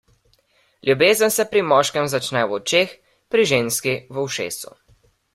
Ljubezen se pri moškemu začne v očeh, pri ženski v ušesu.